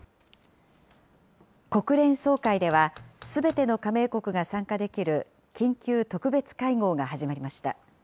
国連総会では、すべての加盟国が参加できる緊急特別会合が始まりました。